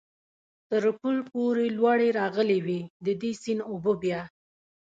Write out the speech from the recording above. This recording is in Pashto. تر پل پورې لوړې راغلې وې، د دې سیند اوبه بیا.